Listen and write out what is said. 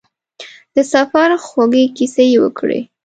د سفر خوږې کیسې یې وکړې.